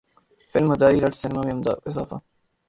film Madaari رٹ cinema میں عمدہ اضافہ